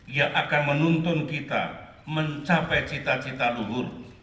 yang akan menuntun kita mencapai cita cita luhur